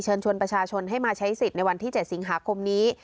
ชวนประชาชนให้มาใช้สิทธิ์ในวันที่๗สิงหาคมนี้